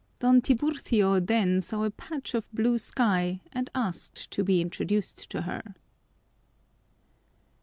Don Tiburcio then saw a patch of blue sky and asked to be introduced to her.